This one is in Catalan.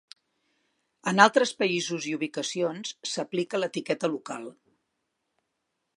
En altres països i ubicacions, s'aplica l'etiqueta local.